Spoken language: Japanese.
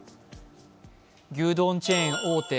牛丼チェーン大手